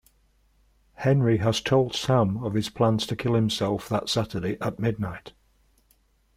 Henry has told Sam of his plans to kill himself that Saturday at midnight.